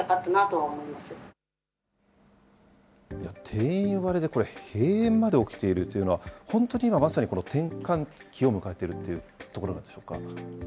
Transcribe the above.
定員割れでこれ、閉園まで起きているっていうのは、本当に今、まさにこの転換期を迎えているというところなんでしょうか。